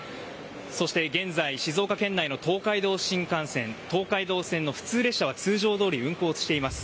そして、現在静岡県内の東海道新幹線東海道線の普通列車は通常どおり運行しています。